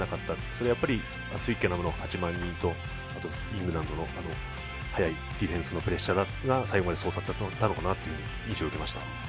それはやっぱりトゥイッケナムの８万人とイングランドの速いディフェンスのプレッシャーが最後までそうさせたという印象を受けました。